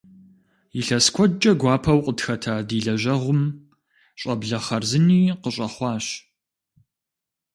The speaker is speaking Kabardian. Илъэс куэдкӀэ гуапэу къытхэта ди лэжьэгъум щӀэблэ хъарзыни къыщӀэхъуащ.